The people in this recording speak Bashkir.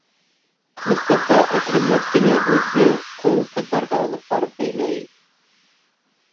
Мостафа әкренләп кенә һүҙҙе ҡол ҡыҙҙарға алып барып бәйләй.